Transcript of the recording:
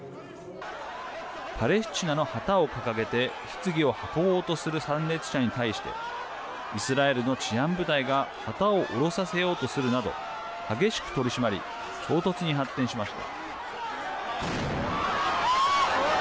パレスチナの旗を掲げてひつぎを運ぼうとする参列者に対してイスラエルの治安部隊が旗を降ろさせようとするなど激しく取締り衝突に発展しました。